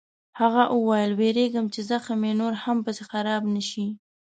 هغه وویل: وېرېږم چې زخم یې نور هم پسې خراب نه شي.